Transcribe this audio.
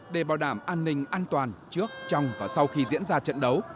để bảo đảm an ninh an toàn trước trong và sau khi diễn ra trận đấu